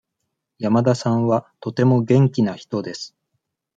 山田さんはとても元気な人です。